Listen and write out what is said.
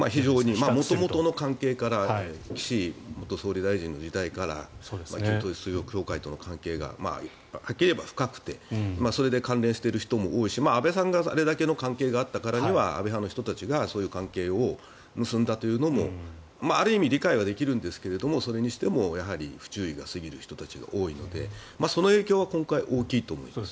元々の関係から岸元総理大臣の時代から旧統一教会との関係が深くてそれで関係している人もいるしそれだけ関係が深かったのは安倍派の人たちがそういう関係を結んだというのもある意味理解はできるんですがそれにしても不注意が過ぎる人たちが多いのでその影響は今回、大きいと思います。